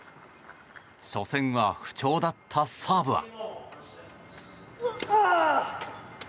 初戦は不調だったサーブは。